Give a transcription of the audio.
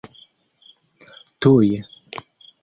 tuj